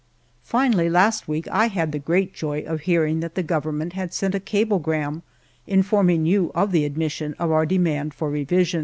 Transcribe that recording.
" Finally, last week I had the great joy of hear ing that the Government had sent a cablegram informing you of the admission of our demand for revision.